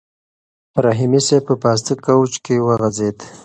رحیمي صیب په پاسته کوچ کې وغځېد.